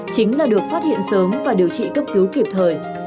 chính là được phát hiện sớm và điều trị cấp cứu kịp thời